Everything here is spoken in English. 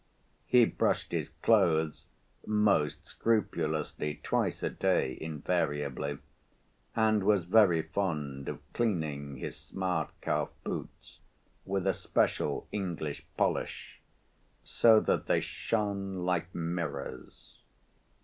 He brushed his clothes most scrupulously twice a day invariably, and was very fond of cleaning his smart calf boots with a special English polish, so that they shone like mirrors.